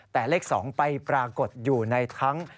แต่เลข๒ไปปรากฏอยู่ในทั้ง